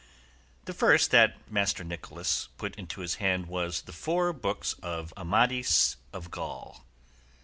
The first that Master Nicholas put into his hand was "The four books of Amadis of Gaul."